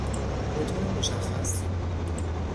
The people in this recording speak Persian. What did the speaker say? بطور مشخص